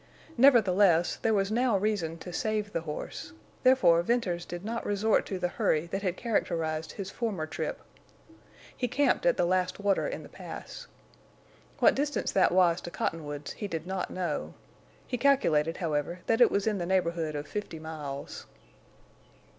Nevertheless, there was now reason to save the horse, therefore Venters did not resort to the hurry that had characterized his former trip. He camped at the last water in the Pass. What distance that was to Cottonwoods he did not know; he calculated, however, that it was in the neighborhood of fifty miles.